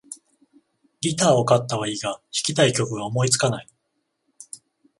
ギターを買ったはいいが、弾きたい曲が思いつかない